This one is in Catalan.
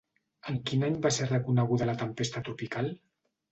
En quin any va ser reconeguda la tempesta tropical?